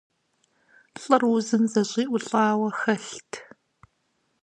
Лӏыр узым зэщӏиӏулӏауэ хэлът.